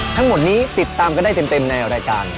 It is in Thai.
ทั้งหมดนี้ติดตามกันได้เต็มในรายการ